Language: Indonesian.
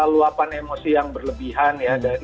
luapan emosi yang berlebihan